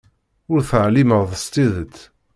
Ur teɛlimeḍ s tidet.